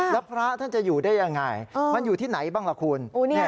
แล้วพระท่านจะอยู่ได้ยังไงมันอยู่ที่ไหนบ้างล่ะคุณ